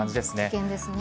危険ですね。